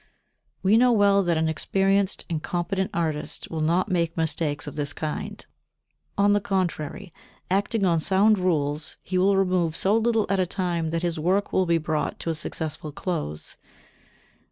We know well that an experienced and competent artist will not make mistakes of this kind; on the contrary, acting on sound rules, he will remove so little at a time that his work will be brought to a successful close.